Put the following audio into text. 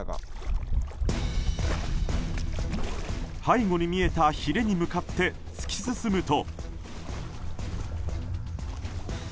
背後に見えたひれに向かって突き進むと。